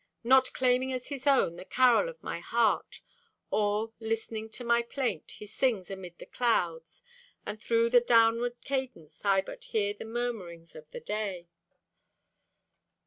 Not claiming as his own the carol of my heart, Or listening to my plaint, he sings amid the clouds; And through the downward cadence I but hear The murmurings of the day.